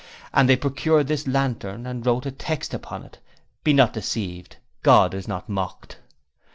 And they procured this lantern and wrote a text upon it: 'Be not deceived, God is not mocked.'